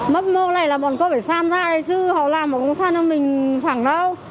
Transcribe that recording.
mấp mô này là bọn có phải san ra đây chứ họ làm mà không san cho mình phẳng đâu